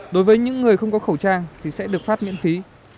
đối với những người không có khẩu trang thì sẽ được phát miễn phí